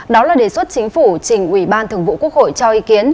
đó là đề xuất chính phủ trình ủy ban thường vụ quốc hội cho ý kiến